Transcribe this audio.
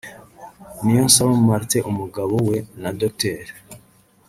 Niyonsaba Martin umugabo we na Dr